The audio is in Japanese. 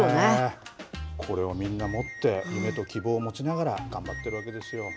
これをみんな持って、夢と希望を持ちながら、頑張ってるわけですよ。